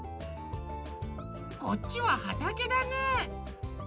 こっちははたけだね。